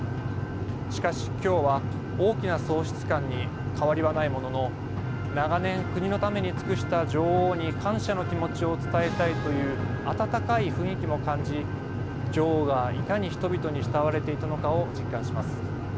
しかし今日は大きな喪失感に変わりはないものの長年、国のために尽くした女王に感謝の気持ちを伝えたいという温かい雰囲気も感じ女王がいかに人々に慕われていたのかを実感します。